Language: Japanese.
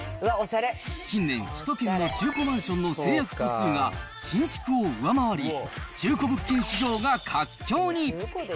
近年、首都圏の中古マンションの成約数が新築を上回り、中古物件市場が活況に。